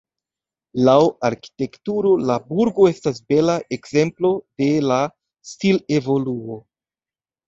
Laŭ arkitekturo la burgo estas bela ekzemplo de la stil-evoluo.